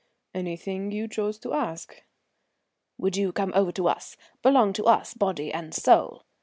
"Anything you chose to ask." "Would you come over to us, belong to us body and soul?